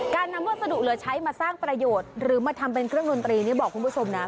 การนำวัสดุเหลือใช้มาสร้างประโยชน์หรือมาทำเป็นเครื่องดนตรีนี่บอกคุณผู้ชมนะ